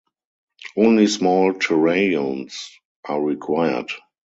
Only small terrariums are required.